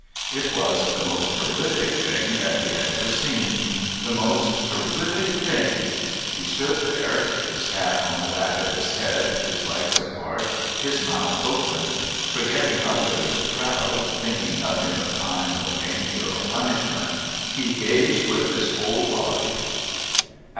It was the most terrific thing that he had ever seen. The most terrific thing... he stood there, his cap on the back of his head, his legs apart, his mouth open; forgetting utterly the crowd, thinking nothing of time or danger or punishment he gazed with his whole body.